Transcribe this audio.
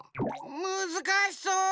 むずかしそう。